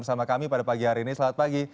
bersama kami pada pagi hari ini selamat pagi